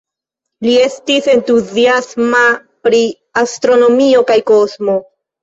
Li estis entuziasma pri astronomio kaj kosmo.